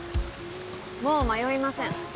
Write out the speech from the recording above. もう迷いません。